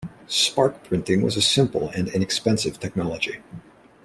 Spark printing was a simple and inexpensive technology.